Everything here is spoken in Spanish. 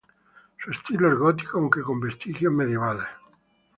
Su estilo es gótico aunque con vestigios medievales.